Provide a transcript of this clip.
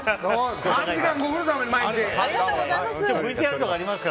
３時間、ご苦労さまです